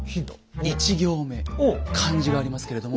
１行目漢字がありますけれども。